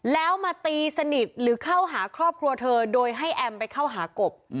แล้วมาตีสนิทหรือเข้าหาครอบครัวเธอโดยให้แอมไปเข้าหากบ